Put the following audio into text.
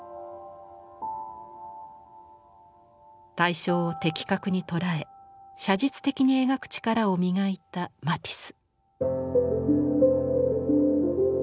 対象を的確に捉え写実的に描く力を磨いたマティス。